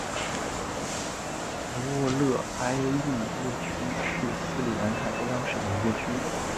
努沃勒埃利耶区是斯里兰卡中央省的一个区。